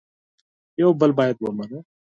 یو بل باید ومنو